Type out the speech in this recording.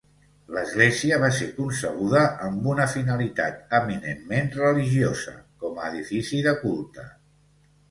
L'església va ser concebuda amb una finalitat eminentment religiosa, com a edifici de culte.